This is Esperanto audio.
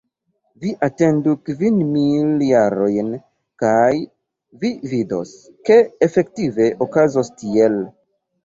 Vi atendu kvin mil jarojn, kaj vi vidos, ke efektive okazos tiel.